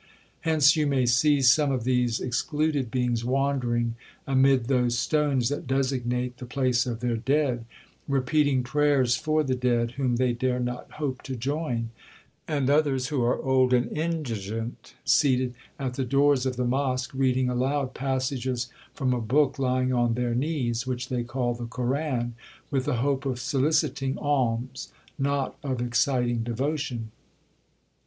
Hence you may see some of these excluded beings wandering amid those stones that designate the place of their dead, repeating prayers for the dead whom they dare not hope to join; and others, who are old and indigent, seated at the doors of the mosque, reading aloud passages from a book lying on their knees, (which they call the Koran), with the hope of soliciting alms, not of exciting devotion.'